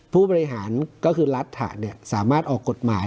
ผู้บริหารก็คือรัฐสามารถออกกฎหมาย